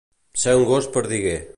Ser un gos perdiguer.